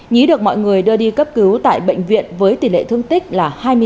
nhí được mọi người đưa đi cấp cứu tại bệnh viện với tỷ lệ thương tích là hai mươi năm